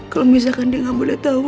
kalau misalkan dia nggak boleh tahu